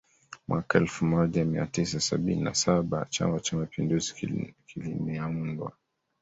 mwaka elfu moja mia tisa sabini na saba Chama Cha Mapinduzi kilinaundwa